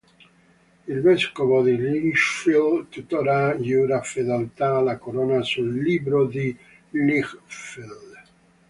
Il vescovo di Lichfield tuttora giura fedeltà alla corona sul "Libro di Lichfield".